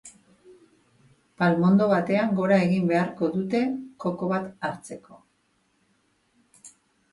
Palmondo batean gora egin beharko dute koko bat hartzeko.